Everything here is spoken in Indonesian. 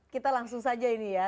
kita langsung saja ini ya